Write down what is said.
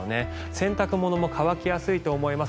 洗濯物も乾きやすいと思います。